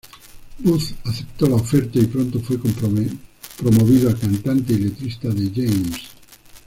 Booth aceptó la oferta, y pronto fue promovido a cantante y letrista de James.